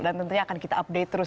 dan tentunya akan kita update terus